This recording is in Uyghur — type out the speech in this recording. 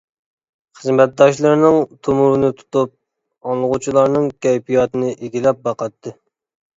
خىزمەتداشلىرىنىڭ تومۇرىنى تۇتۇپ، ئاڭلىغۇچىلارنىڭ كەيپىياتىنى ئىگىلەپ باقاتتى.